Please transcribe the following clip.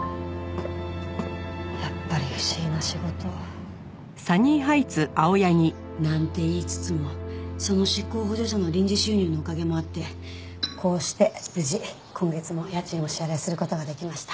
やっぱり不思議な仕事。なんて言いつつもその執行補助者の臨時収入のおかげもあってこうして無事今月も家賃をお支払いする事ができました。